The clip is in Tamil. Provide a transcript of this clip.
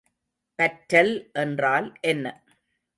பற்றல் என்றால் என்ன?